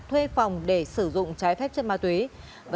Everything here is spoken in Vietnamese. thuê phòng để sử dụng trái phép chất ma túy